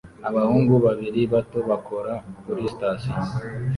Abahungu babiri bato bakora kuri sitasiyo